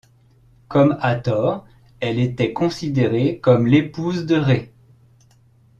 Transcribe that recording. Comme Hathor, elle était considérée comme l'épouse de Rê.